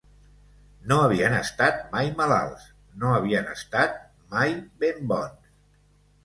No havien estat mai malalts; no havien estat mai ben bons